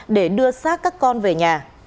để đưa sát các con về nhà